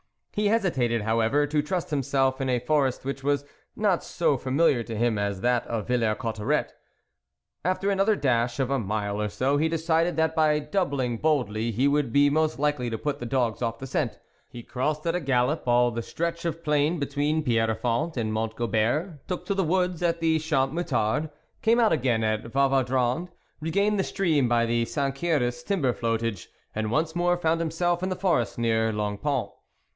He hesitated, however, to trust himself in a forest which was not so familiar to him as that of Villers Cot terets. After another dash of a mile or so, he decided that by doubling boldly he would be most likely to put the dogs off the scent. He crossed at a gallop all the stretch of plain between Pierrefond and Mont Gobert, took to the woods at the Champ Meutard, came out again at Vauvaudrand, regained the stream by the 112 THE WOLF LEADER Sanceres timber floatage, and once more found himself in the forest near Long Font.